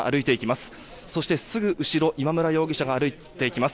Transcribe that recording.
すぐ後ろ今村容疑者が歩いていきます。